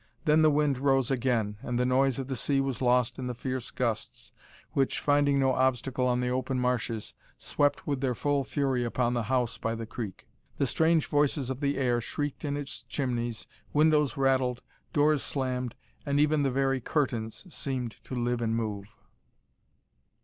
Then the wind rose again, and the noise of the sea was lost in the fierce gusts which, finding no obstacle on the open marshes, swept with their full fury upon the house by the creek. The strange voices of the air shrieked in its chimneys windows rattled, doors slammed, and even, the very curtains seemed to live and move.